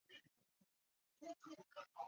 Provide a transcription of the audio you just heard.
其北侧的建南楼群也于同期建造。